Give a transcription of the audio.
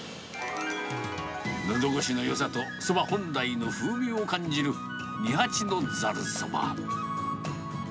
のど越しのよさとそば本来の風味を感じる二八のざるそば。